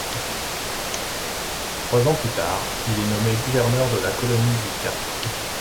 Trois ans plus tard, il est nommé gouverneur de la colonie du Cap.